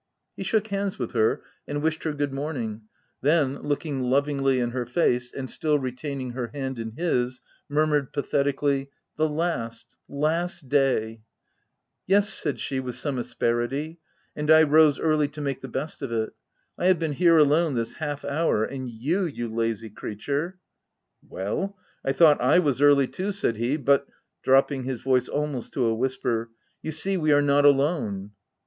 He shook hands with her and wished her good morning : then, looking lovingly in her face, and still retaining her hand in his, mur mured pathetically, —" The last— last day !"" Yes," said she with some asperity ;" and I rose early to make the best of it — I have been here alone this half hour , and you> you lazy creature —"" Well, I thought I was early too/' said he —" but," dropping his voice almost to a whisper, " you see we are not alone."